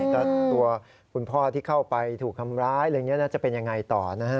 ถ้าตัวคุณพ่อที่เข้าไปถูกทำร้ายจะเป็นอย่างไรต่อนะฮะ